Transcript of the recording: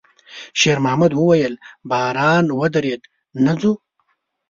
شېرمحمد وويل: «باران ودرېد، نه ځو؟»